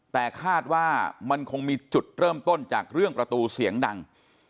แต่คาดว่ามันคงมีจุดเริ่มต้นจากเรื่องประตูเสียงดัง